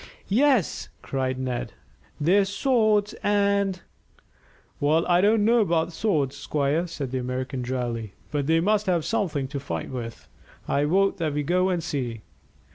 "Yes," cried Ned; "their swords and " "Well, I don't know about swords, squire," said the American dryly, "but they must have had something to fight with. I vote that we go and see."